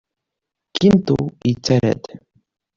Quinto yettarra-d.